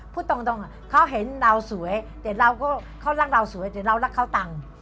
พูดตรงเขาเห็นเราสวยแต่เราก็เขารักเราสวยแต่เรารักเขาตังค์